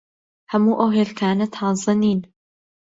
هەموو ئەو هێلکانە تازە نین.